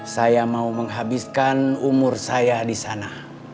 saya mau menghabiskan umur saya di sana